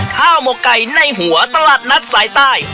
หมกไก่ในหัวตลาดนัดสายใต้